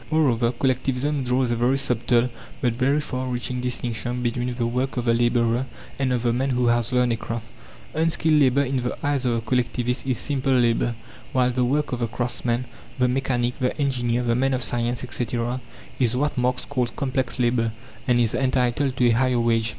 Moreover, Collectivism draws a very subtle but very far reaching distinction between the work of the labourer and of the man who has learned a craft. Unskilled labour in the eyes of the collectivist is simple labour, while the work of the craftsman, the mechanic, the engineer, the man of science, etc., is what Marx calls complex labour, and is entitled to a higher wage.